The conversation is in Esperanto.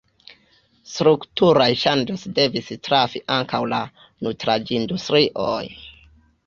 Strukturaj ŝanĝoj devis trafi ankaŭ la nutraĵindustrion.